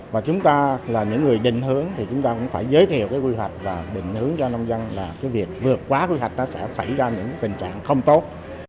và chúng ta là những người định hướng thì chúng ta cũng phải giới thiệu cái quy hoạch và định hướng cho nông dân là cái việc vượt quá quy hoạch nó sẽ xảy ra những tình trạng không tốt